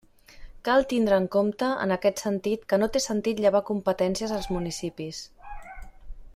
Cal tindre en compte, en aquest sentit, que no té sentit llevar competències als municipis.